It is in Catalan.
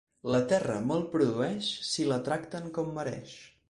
La terra molt produeix, si la tracten com mereix.